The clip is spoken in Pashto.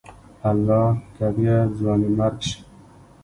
الله کبيره !ځواني مرګ شې.